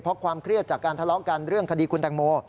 เพราะความเครียดจากการทะเลาะกันเรื่องคดีคุณแตงโม